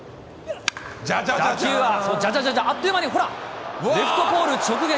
打球はじゃじゃじゃじゃーん、あっという間にほら、レフトポール直撃。